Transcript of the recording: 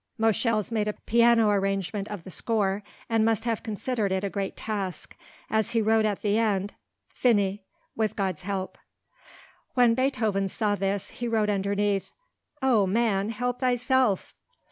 Moscheles made a piano arrangement of the score, and must have considered it a great task, as he wrote at the end. FINIS. WITH GOD'S HELP. When Beethoven saw this he wrote underneath, "Oh man, help thyself!"